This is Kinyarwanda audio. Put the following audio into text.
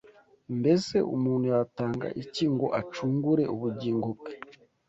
Mbese umuntu yatanga iki ngo acungure ubugingo bwe?